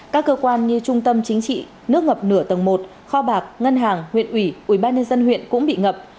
các cơ quan như trung tâm chính trị nước ngập nửa tầng một kho bạc ngân hàng huyện ủy ủy ban nhân dân huyện cũng bị ngập